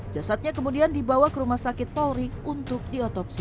jasadnya kemudian dibawa ke rumah sakit polri untuk diotopsi